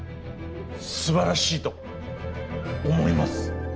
すばらしいと思います。